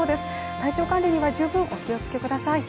体調管理には十分お気をつけください。